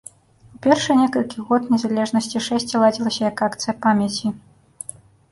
У першыя некалькі год незалежнасці шэсце ладзілася як акцыя памяці.